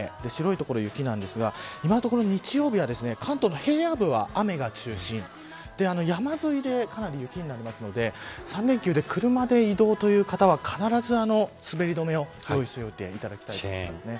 白い所が雪なんですが今のところ日曜日は関東の平野部は雨が中心山沿いでかなり雪になりますので３連休で車で移動という方は必ず、滑り止めをご用意しておいてくださいです。